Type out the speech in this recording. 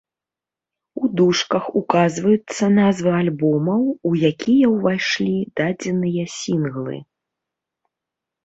У дужках указваюцца назвы альбомаў, у якія ўвайшлі дадзеныя сінглы.